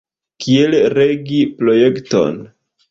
Kiel regi projekton?